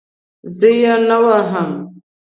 زه یې نه وهم.